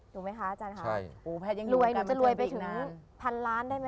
ถูกไหมคะอาจารย์ค่ะรวยหนูจะรวยไปถึงพันล้านได้ไหม